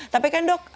tapi kan dok